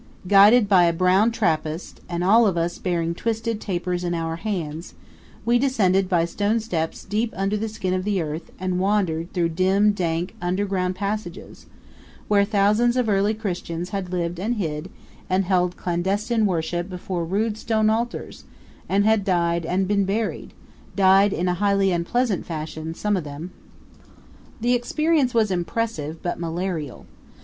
Guided by a brown Trappist, and all of us bearing twisted tapers in our hands, we descended by stone steps deep under the skin of the earth and wandered through dim, dank underground passages, where thousands of early Christians had lived and hid, and held clandestine worship before rude stone altars, and had died and been buried died in a highly unpleasant fashion, some of them. The experience was impressive, but malarial.